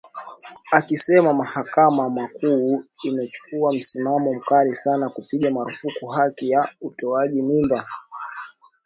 akisema Mahakama Kuu imechukua msimamo mkali sana kupiga marufuku haki ya utoaji mimba